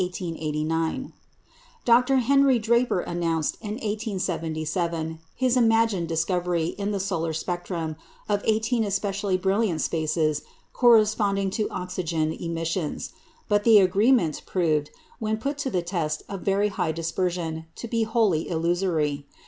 Dr. Henry Draper announced, in 1877, his imagined discovery, in the solar spectrum, of eighteen especially brilliant spaces corresponding to oxygen emissions. But the agreement proved, when put to the test of very high dispersion, to be wholly illusory.